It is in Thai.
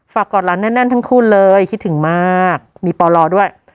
ฝากกอดร้านแน่นแน่นทั้งคู่เลยคิดถึงมากมีปอลลอดด้วย